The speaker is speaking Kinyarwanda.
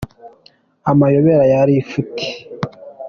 Amayobera ya lifuti